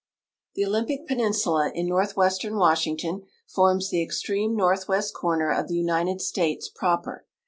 ] The Ol3MHpic ])eninsula, in northwestern Washington, forms tlie e.xtrenie nortlnvcst corner of tlie United Sttites proper.